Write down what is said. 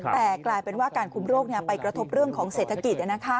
แต่กลายเป็นว่าการคุมโรคไปกระทบเรื่องของเศรษฐกิจ